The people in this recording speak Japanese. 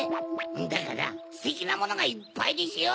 だからステキなものがいっぱいでしょ！